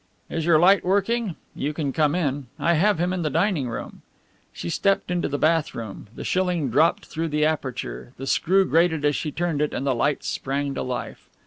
"Is your light working? you can come in, I have him in the dining room." She stepped into the bath room, the shilling dropped through the aperture, the screw grated as she turned it and the lights sprang to life.